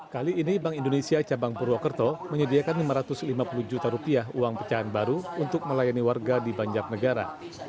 kali ini bank indonesia cabang purwokerto menyediakan lima ratus lima puluh juta rupiah uang pecahan baru untuk melayani warga di banjarnegara